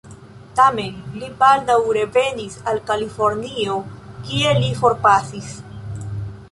Tamen, li baldaŭ revenis al Kalifornio, kie li forpasis.